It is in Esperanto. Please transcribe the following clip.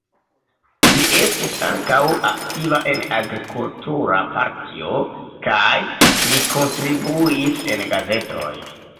Li estis ankaŭ aktiva en agrikultura partio kaj li kontribuis en gazetoj.